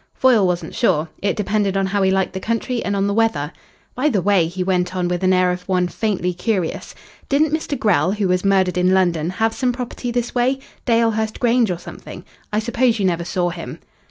Foyle wasn't sure. It depended on how he liked the country and on the weather. "By the way," he went on, with an air of one faintly curious, "didn't Mr. Grell, who was murdered in London, have some property this way? Dalehurst Grange or something? I suppose you never saw him?"